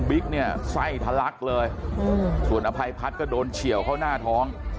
เนี่ยไส้ทะลักเลยส่วนอภัยพัฒน์ก็โดนเฉียวเข้าหน้าท้อง